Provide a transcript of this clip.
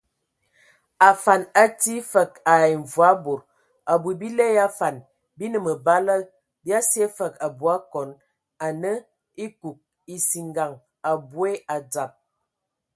Afan atii fəg ai mvɔi bod, abui, bile ya afan bi nə məbala bia sye fəg abui akɔn anə ekug, esingan aboe adzab.